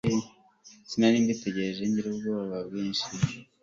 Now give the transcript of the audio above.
Sinari narigeze ngira ubwoba bwinshi mbere